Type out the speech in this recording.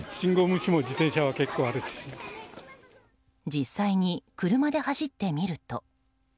実際に車で走ってみると。